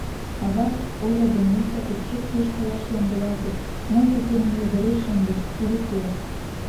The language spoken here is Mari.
Авашт, Оля ден Митя путешествийыш каяш ямдылалтыт: ныл пӱкеным йыгыре шындышт — тиде тер.